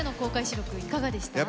収録いかがでした？